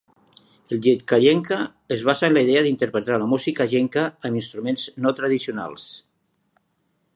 El letkajenkka es basa en la idea d'interpretar la música Jenkka amb instruments no tradicionals.